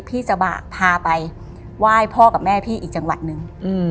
พี่จะพาไปไหว้พ่อกับแม่พี่อีกจังหวัดนึง